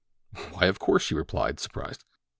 "Why, of course!" she replied, surprised.